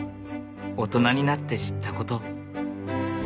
大人になって知ったこと。